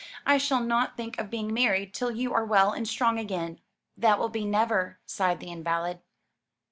"I shall not think of being married till you are well and strong again." "That will be never," sighed the invalid.